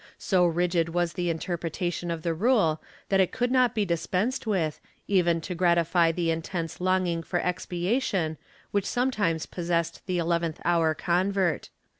So rigid was the interpretation of the rule that it could not be dispensed with even to gratify the intense longing for expiation which sometimes possessed the eleventh hour convert.